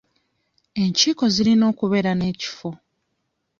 Enkiiko zirina okubeera n'ekifo.